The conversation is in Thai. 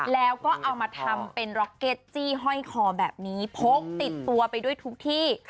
แล้วก็เอามาทำเป็นร็อกเก็ตจี้ห้อยคอแบบนี้พกติดตัวไปด้วยทุกที่